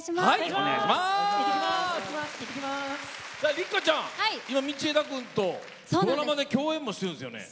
六花ちゃん、道枝君とドラマで競演してるんですよね。